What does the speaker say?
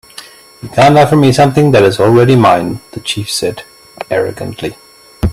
"You can't offer me something that is already mine," the chief said, arrogantly.